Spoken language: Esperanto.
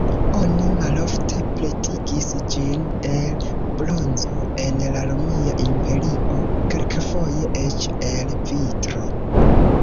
Oni malofte pretigis ĝin el bronzo, en la Romia imperio kelkfoje eĉ el vitro.